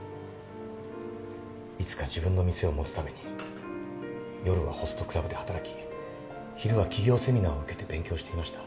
いつか自分の店を持つために夜はホストクラブで働き昼は起業セミナーを受けて勉強していました。